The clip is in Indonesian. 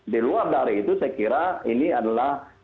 di luar dari itu saya kira ini adalah